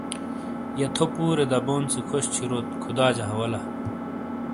یہ تھو پُورے دابون سے خوش چھُوروت ۔خداجہ حوالہ ۔